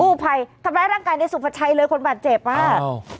ผู้ภัยทำร้ายร่างกายในสุภาชัยเลยคนบาดเจ็บอ่ะ